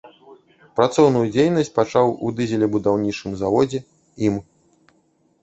Працоўную дзейнасць пачаў у дызелебудаўнічым заводзе ім.